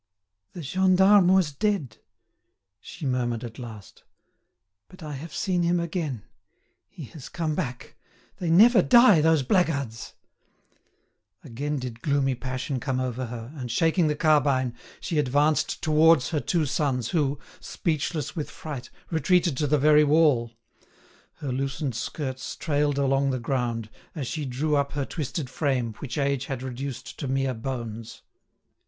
"The gendarme was dead," she murmured at last, "but I have seen him again; he has come back. They never die, those blackguards!" Again did gloomy passion come over her, and, shaking the carbine, she advanced towards her two sons who, speechless with fright, retreated to the very wall. Her loosened skirts trailed along the ground, as she drew up her twisted frame, which age had reduced to mere bones.